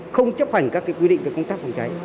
không chấp hành các quy định về công tác phòng cháy